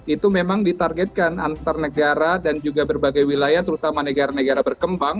itu memang ditargetkan antar negara dan juga berbagai wilayah terutama negara negara berkembang